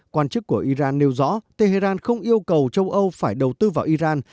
quan chức của iran nêu rõ tehran không yêu cầu châu âu phải đầu tư vào iran